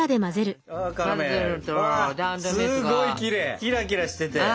キラキラしてて。